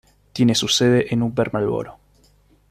Tiene su sede en Upper Marlboro.